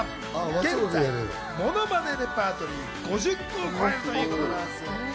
現在、ものまねレパートリーは５０個を超えるということでございます。